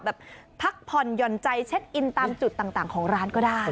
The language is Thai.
แบบพรักพายนใจเช็ดอินตามจุดต่างของร้านก็ได้